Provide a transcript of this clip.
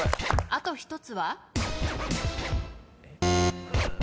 あと１つは？